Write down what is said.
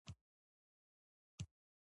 انا د ښو اخلاقو الګو ده